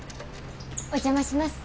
お邪魔します。